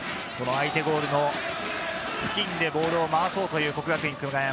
相手ゴールの付近でボールを回そうという國學院久我山。